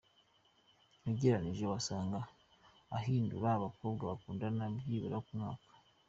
Ugereranije wasanga ahindura umukobwa bakundana byibura buri mwaka.